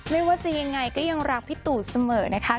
ไม่ว่าจะยังไงก็ยังรักพี่ตู่เสมอนะคะ